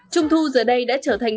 trung thu giờ đây đã trở thành